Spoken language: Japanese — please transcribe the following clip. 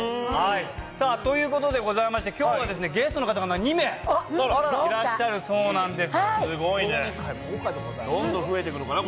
さあ、ということでございまして、きょうはゲストの方々が２名いらっしゃるそうなんです。